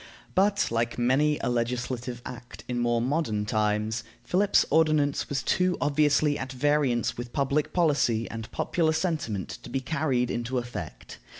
But, like many a legislative act in more modern times, Philip's ordinance was too obviously at variance with public policy and popular sentiment to be carried into effect.